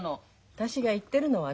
私が言ってるのはね